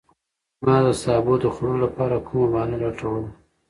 ما د سابو د خوړلو لپاره کومه بهانه لټوله.